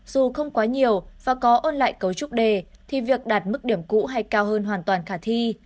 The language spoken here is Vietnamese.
dù không quá nhiều và có ôn lại cấu trúc đề thì việc đạt mức điểm cũ hay cao hơn hoàn toàn khả thi